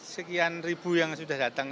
sekian ribu yang sudah datang